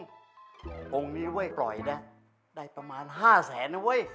องค์นี้ไว้ปล่อยนะได้ประมาณ๕แสนนะเว้ย